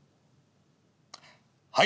はい。